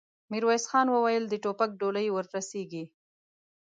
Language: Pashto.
ميرويس خان وويل: د ټوپک ډولۍ ور رسېږي؟